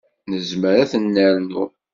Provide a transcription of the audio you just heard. Nezmer ad ten-nernu.